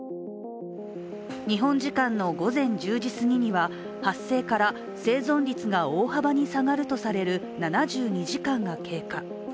日本時間の午前１０時すぎには、発生から生存率が大幅に下がるとされる７２時間が経過。